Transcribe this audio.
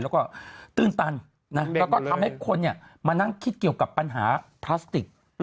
แล้วก็ตื่นตันแล้วก็ทำให้คนมานั่งคิดเกี่ยวกับปัญหาพลาสติก